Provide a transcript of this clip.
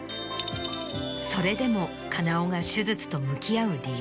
それでも金尾が手術と向き合う理由。